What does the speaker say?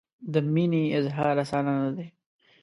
د مینې اظهار اسانه نه دی.